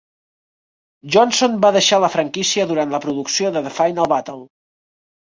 Johnson va deixar la franquícia durant la producció de "The Final Battle".